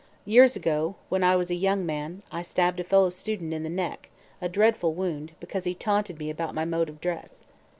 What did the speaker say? "Years ago, when I was a young man, I stabbed a fellow student in the neck a dreadful wound because he taunted me about my mode of dress.